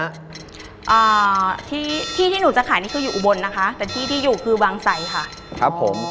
อ่าที่ที่หนูจะขายนี่คืออยู่อุบลนะคะแต่ที่ที่อยู่คือวังไสค่ะครับผม